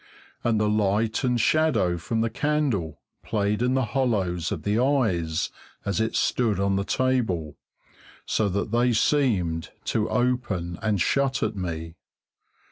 And the light and shadow from the candle played in the hollows of the eyes as it stood on the table, so that they seemed to open and shut at me.